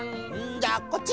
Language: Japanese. じゃあこっち！